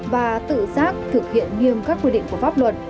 và tự giác thực hiện nghiêm các quy định của pháp luật